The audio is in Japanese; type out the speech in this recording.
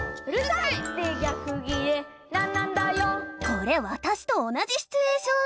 これわたしと同じシチュエーション！